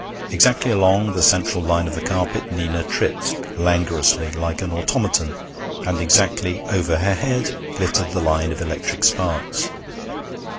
Exactly along the central line of the carpet Nina tripped, languorously, like an automaton, and exactly over her head glittered the line of electric sparks.